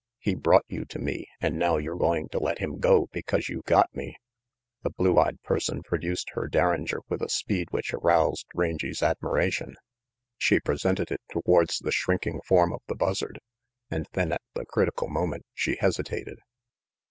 He brought you to me and now you're going to let him go because you got me The blue eyed person produced her derringer with a speed which aroused Rangy's admiration. She presented it towards the shrinking form of the Buzzard, and then at the critical moment she hesitated.